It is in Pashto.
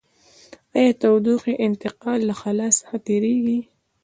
آیا د تودوخې انتقال له خلاء څخه تیریږي؟